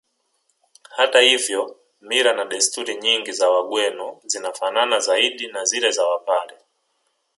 Hata hivyo mila na desturi nyingi za Wagweno zinafanana zaidi na zile za Wapare